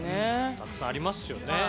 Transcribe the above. たくさんありますよね。